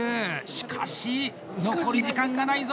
しかし、残り時間がないぞ。